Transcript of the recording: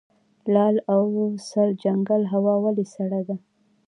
لعل او سرجنګل هوا ولې سړه ده؟